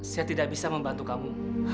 saya tidak bisa membantu kamu